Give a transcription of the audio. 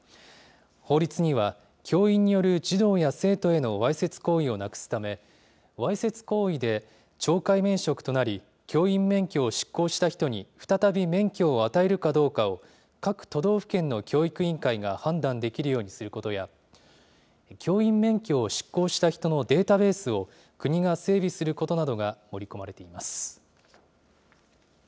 法律には教員による児童や生徒へのわいせつ行為をなくすため、わいせつ行為で懲戒免職となり、教員免許を失効した人に再び免許を与えるかどうかを、各都道府県の教育委員会が判断できるようにすることや、教員免許を失効した人のデータベースを、国が整備することなどが盛り込まれています。